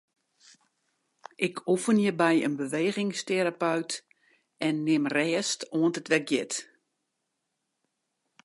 Ik oefenje by in bewegingsterapeut en nim rêst oant it wer giet.